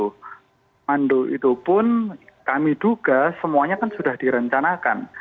komando itu pun kami duga semuanya kan sudah direncanakan